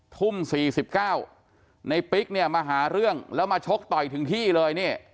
ทุ่ม๔๙ในปิ๊กเนี่ยมาหาเรื่องแล้วมาชกต่อยถึงที่เลยเนี่ย